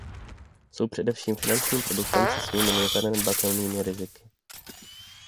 Jsou především finančním produktem se svými nezanedbatelnými riziky.